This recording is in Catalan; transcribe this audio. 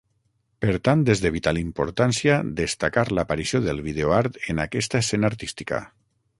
Per tant, és de vital importància destacar l'aparició del Videoart en aquesta escena artística.